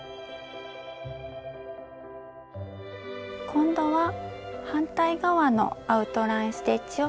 今度は反対側のアウトライン・ステッチを刺しますが。